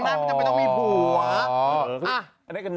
มันไม่ใช่มีผัว